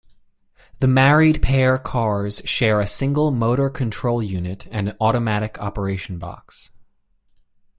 The married pair cars share a single motor control unit and automatic operation box.